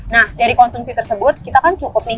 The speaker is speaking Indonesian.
nah dari konsumsi tersebut kita kan cukup nih